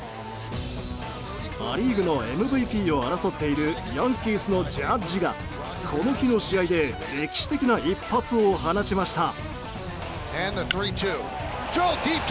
ア・リーグのＭＶＰを争っているヤンキースのジャッジがこの日の試合で歴史的な一発を放ちました。